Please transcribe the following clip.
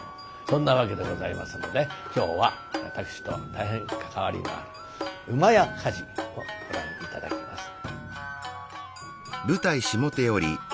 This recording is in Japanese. そんなわけでございますので今日は私と大変関わりのある「厩火事」をご覧頂きます。